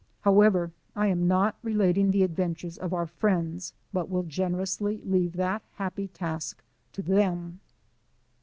However, I am not relating the adventures of our friends, but will generously leave that happy task to them.